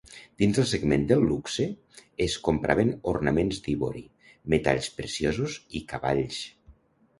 Dins el segment del luxe, es compraven ornaments d'ivori, metalls preciosos i cavalls.